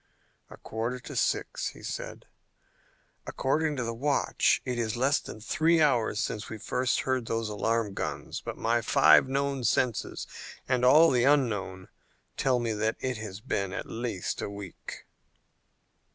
"A quarter to six," he said. "According to the watch it is less than three hours since we first heard those alarm guns, but my five known senses and all the unknown tell me that it has been at least a week."